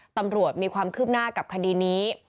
ตำรวจมีความคืบหน้ากับคดีนี้